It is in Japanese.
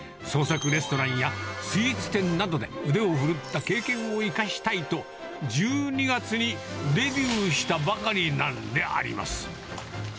創作レストランや、スイーツ店などで腕を振るった経験を生かしたいと、１２月にデビューしたばかりなんであります。